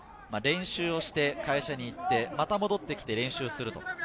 練習をして、会社に行って、また戻ってきて練習をする。